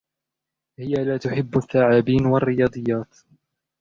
هي لا تحب الثعابين و الرياضيات.